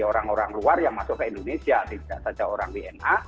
orang orang luar yang masuk ke indonesia tidak saja orang wna